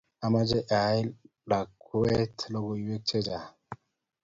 Amache aalji lakwet logoek chechang'